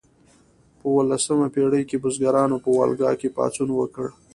په اوولسمه پیړۍ کې بزګرانو په والګا کې پاڅون وکړ.